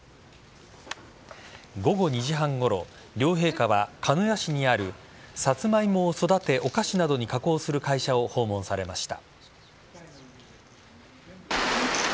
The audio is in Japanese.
午後２時半ごろ両陛下は鹿屋市にあるサツマイモを育てお菓子などに加工する会社を訪問されました。